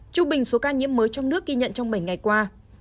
trung bình số ca nhiễm mới trong nước ghi nhận trong bảy ngày qua